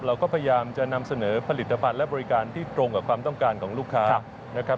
เราก็พยายามจะนำเสนอผลิตภัณฑ์และบริการที่ตรงกับความต้องการของลูกค้านะครับ